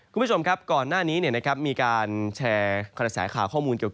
คุณผู้ชมครับก่อนหน้านี้มีการแชร์แล้วข่าวข้อมูล